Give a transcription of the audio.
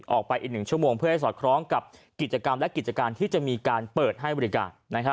ออกไปอีก๑ชั่วโมงเพื่อให้สอดคล้องกับกิจกรรมและกิจการที่จะมีการเปิดให้บริการ